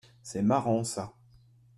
C'est marrant ça.